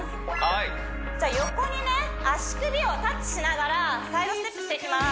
じゃあ横にね足首をタッチしながらサイドステップしていきます